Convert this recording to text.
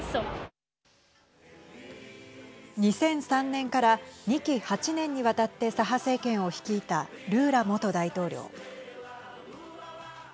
２００３年から２期８年にわたって左派政権を率いたルーラ元大統領。